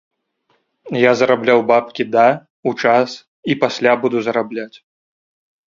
Я зарабляў бабкі да, у час і пасля буду зарабляць.